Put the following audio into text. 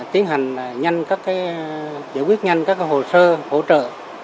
tiến hành nhanh các cái giải quyết nhanh các cái hồ sơ hỗ trợ